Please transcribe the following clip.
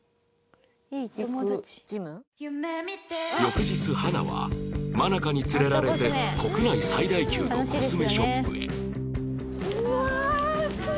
翌日花は愛香に連れられて国内最大級のコスメショップへ